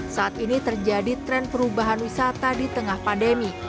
saat ini terjadi tren perubahan wisata di tengah pandemi